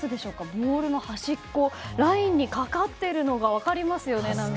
ボールの端がラインにかかっているのが分かりますよね。